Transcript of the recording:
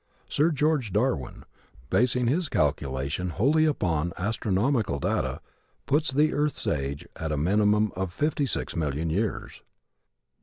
Sir George Darwin, basing his calculation wholly upon astronomical data, puts the earth's age at a minimum of fifty six million years.